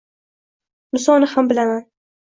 Musoni ham bilaman! …